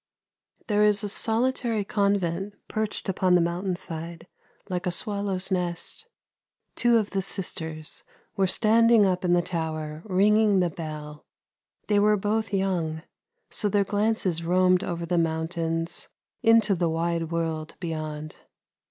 There is a solitary convent perched upon the mountain side like a swallow's nest. Two of the sisters were standing up in the tower ringing the bell; they were both young, so their glances roamed over the mountains into the wide world beyond.